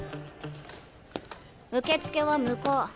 受付は向こう。